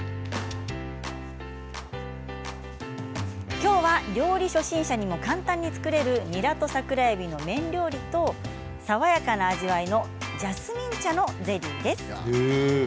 きょうは料理初心者にも簡単に作れる、にらと桜えびの麺料理と爽やかな味わいのジャスミン茶のゼリーです。